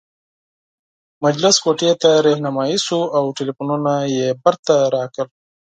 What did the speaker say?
مجلس کوټې ته رهنمايي شوو او ټلفونونه یې بیرته راکړل.